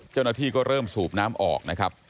เจ้าหน้าที่ก็เริ่มสูบน้ำออกนะครับ